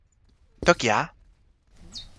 toki a!